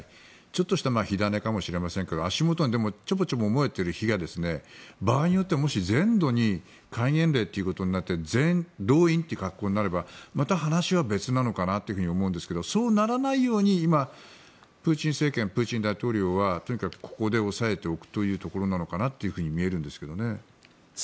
ちょっとした火種かもしれないですが足元にチョコチョコと燃えている火が場合によっては、もし全土に戒厳令ということになって動員という格好になればまた話は別なのかなと思うんですけれどそうならないように今、プーチン政権プーチン大統領はとにかくここで抑えておくということなのかなというふうに見えるんですけどね。